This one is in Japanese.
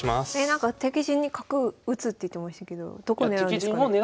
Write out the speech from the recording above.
なんか敵陣に角打つって言ってましたけどどこ狙うんですかね？